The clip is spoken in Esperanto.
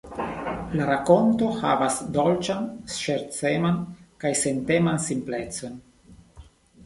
La rakonto havas dolĉan, ŝerceman kaj senteman simplecon.